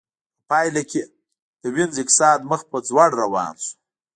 په پایله کې د وینز اقتصاد مخ په ځوړ روان شو